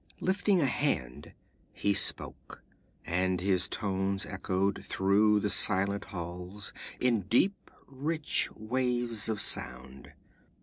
Lifting a hand, he spoke, and his tones echoed through the silent halls in deep rich waves of sound.